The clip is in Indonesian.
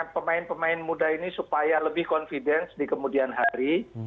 pemain pemain muda ini supaya lebih confidence di kemudian hari